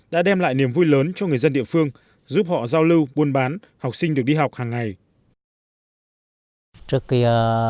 đã đem lại niềm vui lớn cho người dân địa phương giúp họ giao lưu buôn bán học sinh được đi học hàng ngày